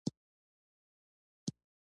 مسئولیت منونکی واوسه، تر څو خپلواک سې.